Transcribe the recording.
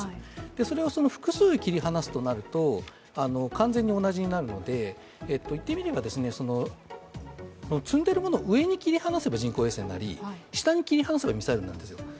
それを複数切り離すとなると、完全に同じになるので、いってみれば積んでいるものを上に切り離せば人工衛星になり、下に切り離せばミサイルになるんですよ。